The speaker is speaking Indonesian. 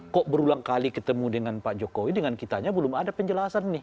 kok berulang kali ketemu dengan pak jokowi dengan kitanya belum ada penjelasan nih